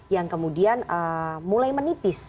yang kemudian mulai menipis